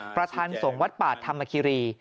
ประทันสงวัดปาดธรรมคิรี